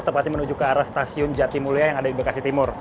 tepatnya menuju ke arah stasiun jatimulia yang ada di bekasi timur